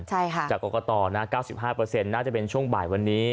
ใช่ค่ะจากกรกตนะ๙๕น่าจะเป็นช่วงบ่ายวันนี้